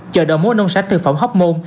chợ đồ mối nông sản thực phẩm hóc môn